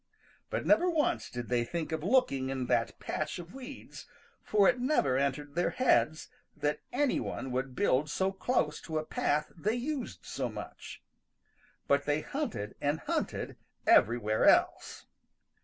But never once did they think of looking in that patch of weeds, for it never entered their heads that any one would build so close to a path they used so much. But they hunted and hunted everywhere else.